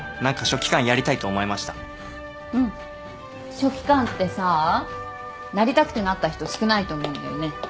書記官ってさなりたくてなった人少ないと思うんだよね。